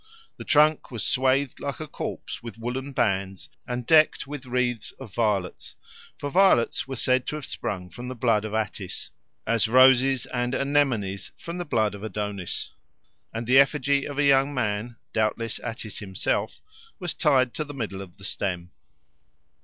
The trunk was swathed like a corpse with woollen bands and decked with wreaths of violets, for violets were said to have sprung from the blood of Attis, as roses and anemones from the blood of Adonis; and the effigy of a young man, doubtless Attis himself, was tied to the middle of the stem.